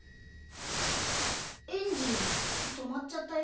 エンジンとまっちゃったよ。